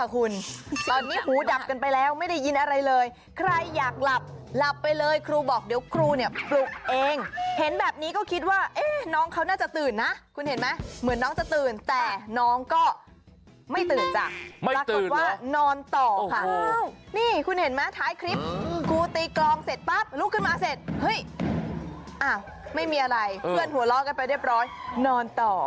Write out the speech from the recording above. คุณครูตีกรองเสร็จปั๊บลุกขึ้นมาเสร็จเฮ้ยอ่ะไม่มีอะไรเพื่อนหัวเลาะกันไปเรียบร้อยนอนต่อ